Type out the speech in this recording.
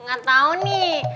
gak tau nih